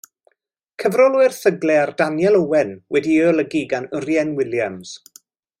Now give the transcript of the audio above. Cyfrol o erthyglau ar Daniel Owen wedi'i golygu gan Urien Williams.